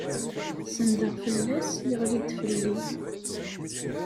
Sendeɣ fell-as, yeɣli-d fell-i